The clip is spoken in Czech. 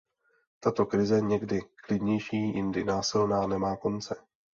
Tato krize, někdy klidnější, jindy násilná, nemá konce.